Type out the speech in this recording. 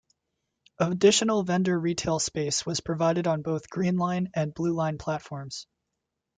Additional vendor retail space was provided on both Green Line and Blue Line platforms.